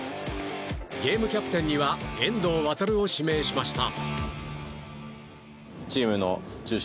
ゲームキャプテンには遠藤航を指名しました。